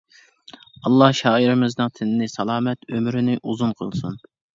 ئاللا شائىرىمىزنىڭ تېنىنى سالامەت، ئۆمرىنى ئۇزۇن قىلسۇن!